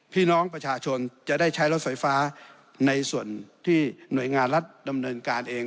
พี่น้องประชาชนจะได้ใช้รถไฟฟ้าในส่วนที่หน่วยงานรัฐดำเนินการเอง